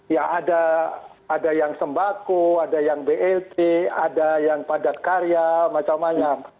ya ada yang sembako ada yang blt ada yang padat karya macam macam